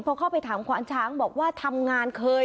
พอเข้าไปถามควานช้างบอกว่าทำงานเคย